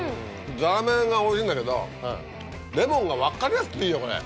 ざらめがおいしいんだけどレモンが分かりやすくていいよこれ。